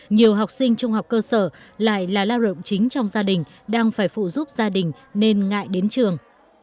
nhiều học sinh trung học cơ sở lại là lao động chính trong gia đình đang phải phụ giúp gia đình nên ngại đến trường